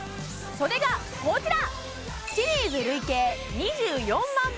それがこちら！